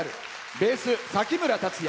ベース、崎村達也。